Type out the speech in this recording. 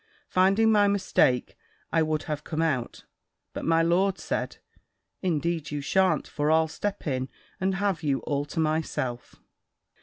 Finding my mistake, I would have come out, but my lord said, "Indeed you shan't: for I'll step in, and have you all to myself."